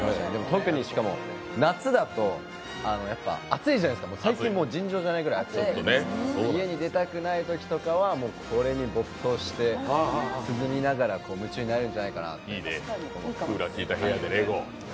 特に夏だと暑いじゃないですか、最近もう尋常じゃないぐらい暑いので、家から出たくないときはこれに没頭して涼みながら夢中になれるんじゃないかなと。